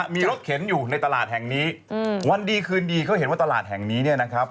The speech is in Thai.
มีรถเข็นอยู่ในตลาดแห่งนี้วันดีคืนดีเขาเห็นว่าตลาดแห่งนี้เนี่ยนะครับ